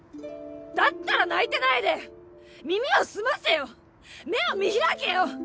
だったら泣いてないで耳を澄ませよ目を見開けよ！